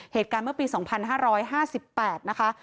เหตุการณ์เมื่อปี๒๕๕๘นะคะ